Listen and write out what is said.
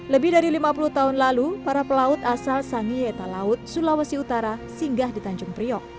lebih dari lima puluh tahun lalu para pelaut asal sangieta laut sulawesi utara singgah di tanjung priok